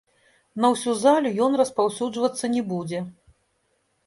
На ўсю залю ён распаўсюджвацца не будзе.